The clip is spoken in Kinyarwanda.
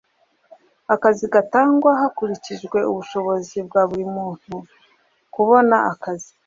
akazi gatangwa hakurikijwe ubushobozi bwa buri muntu. kubona akazi